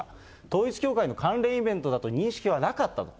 統一教会の関連イベントだと認識はなかったと。